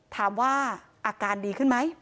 ถามว่าอาการดีขึ้นไหม